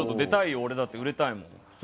俺だって、売れたいもん。